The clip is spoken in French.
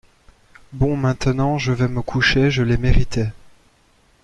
Bon, maintenant, je vais me coucher, je l’ai mérité.